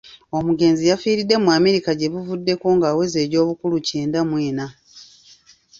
Omugenzi yafiiridde mu America gyebuvuddeko ng'aweza egy'obukulu kyenda mw'enna.